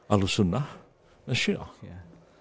al sunnah dan shia